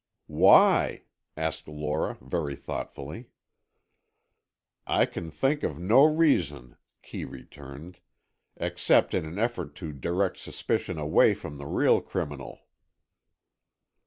"Why?" asked Lora, very thoughtfully. "I can think of no reason," Kee returned, "except in an effort to direct suspicion away from the real criminal."